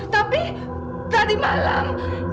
tapi tadi malam